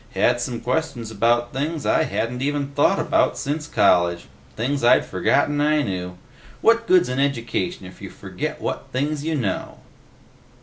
Had some questions about things I hadn't even thought about since college, things I'd forgotten I knew. What good's an education if you forget what things you know?"